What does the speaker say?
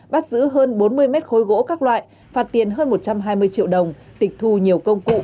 bắt giữ hơn bốn mươi mét khối gỗ các loại phạt tiền hơn một trăm hai mươi triệu đồng tịch thu nhiều công cụ